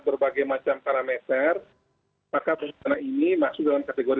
berbagai macam parameter maka bencana ini masuk dalam kategori